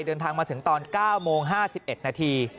เดินทางมาถึงตอน๙โมง๕๑นาที